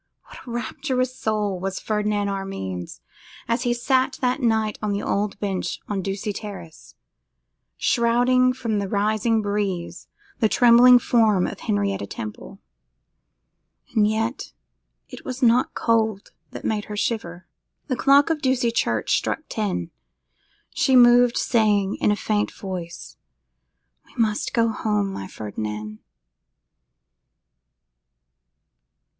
What a rapturous soul was Ferdinand Armine's as he sat that night on the old bench, on Ducie Terrace, shrouding from the rising breeze the trembling form of Henrietta Temple! And yet it was not cold that made her shiver. The clock of Ducie Church struck ten. She moved, saying, in a faint voice, 'We must go home, my Ferdinand!